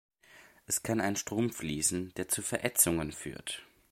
Es kann ein Strom fließen, der zu Verätzungen führt.